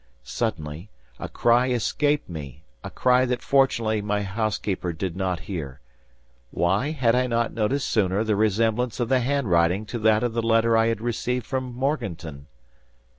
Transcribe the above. Suddenly, a cry escaped me—a cry that fortunately my housekeeper did not hear. Why had I not noticed sooner the resemblance of the handwriting to that of the letter I had received from Morganton?